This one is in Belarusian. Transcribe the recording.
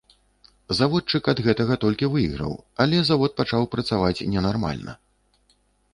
Заводчык ад гэтага толькі выйграў, але завод пачаў працаваць ненармальна.